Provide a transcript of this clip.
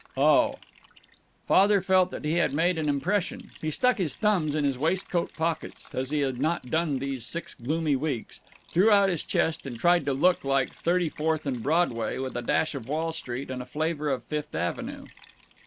"Oh!" Father felt that he had made an impression. He stuck his thumbs in his waistcoat pockets as he had not done these six gloomy weeks threw out his chest, and tried to look like Thirty fourth and Broadway, with a dash of Wall Street and a flavor of Fifth Avenue.